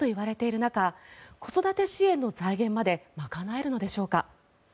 中子育て支援の財源まで賄えるのでしょうか。